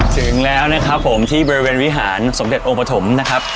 ถึงแล้วนะครับผมที่บริเวณวิหารสมเด็จองค์ปฐมนะครับ